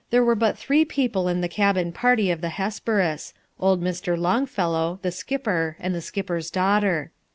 There were but three people in the cabin party of the Hesperus: old Mr. Longfellow, the skipper, and the skipper's daughter.